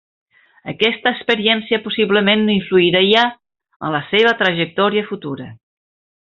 Aquesta experiència possiblement influiria en la seva trajectòria futura.